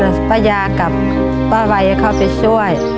ต้องเดี่ยวยายกับต้อนขอไปช่วย